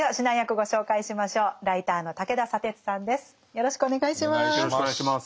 よろしくお願いします。